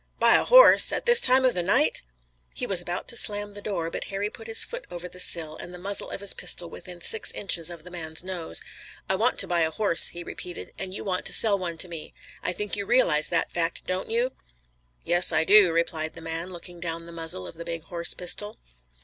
"Buy a horse? At this time of the night?" He was about to slam the door, but Harry put his foot over the sill and the muzzle of his pistol within six inches of the man's nose. "I want to buy a horse," he repeated, "and you want to sell one to me. I think you realize that fact, don't you?" "Yes, I do," replied the man, looking down the muzzle of the big horse pistol.